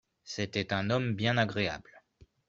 C'était un homme bien agréable